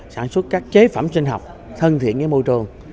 sản xuất các chế phẩm sinh học thân thiện với môi trường